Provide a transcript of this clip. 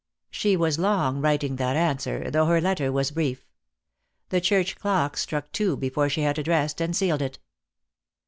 She was long writing that answer, though her letter was brief. The church clocks struck two be fore she had addressed and sealed it.